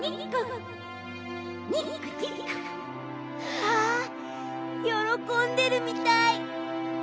わあよろこんでるみたい！